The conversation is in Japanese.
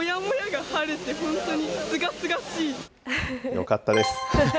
よかったです。